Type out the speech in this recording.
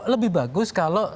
lebih bagus kalau